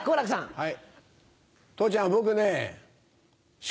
はい。